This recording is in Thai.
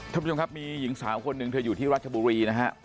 ท่านผู้ชมครับมีหญิงสาวคนหนึ่งเธออยู่ที่รัชบุรีนะฮะ